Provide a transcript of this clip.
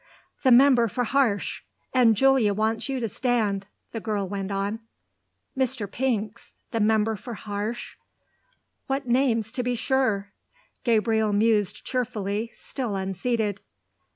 "The member for Harsh; and Julia wants you to stand," the girl went on. "Mr. Pinks, the member for Harsh? What names to be sure!" Gabriel mused cheerfully, still unseated.